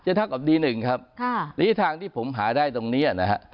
เท่ากับดีหนึ่งครับค่ะระยะทางที่ผมหาได้ตรงนี้นะฮะ